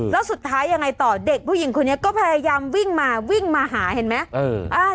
แล้วสุดท้ายยังไงต่อเด็กผู้หญิงคนนี้ก็พยายามวิ่งมาวิ่งมาหาเห็นไหม